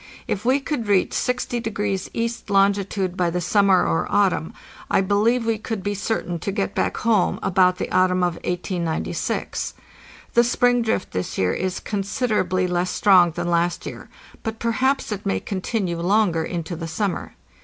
If we could reach 60° east longitude by the sum mer or autumn, I believe we could be certain to get back home about the autumn of 1896. The spring drift this year is con siderably less strong than last year, but perhaps it may continue longer into the summer.